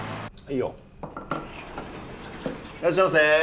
いらっしゃいませ。